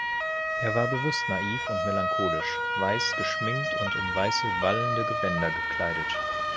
Er war bewusst naiv und melancholisch, weiß geschminkt und in weiße, wallende Gewänder gekleidet.